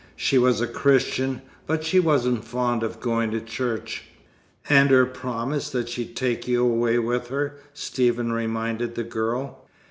She was a Christian, but she wasn't fond of going to church." "And her promise that she'd take you away with her?" Stephen reminded the girl.